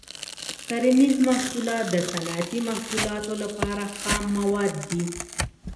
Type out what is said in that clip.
کرنیز محصولات د صنعتي محصولاتو لپاره خام مواد دي.